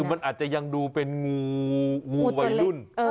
มันอาจจะยังดูเป็นงูวัยรุ่น